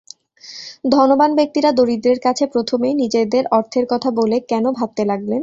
ধনবান ব্যক্তিরা দরিদ্রের কাছে প্রথমেই নিজেদের অর্থের কথা বলে কেন ভাবতে লাগলেন।